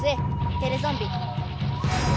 テレゾンビ。